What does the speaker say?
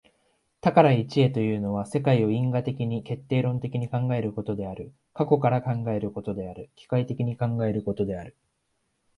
多から一へというのは、世界を因果的に決定論的に考えることである、過去から考えることである、機械的に考えることである。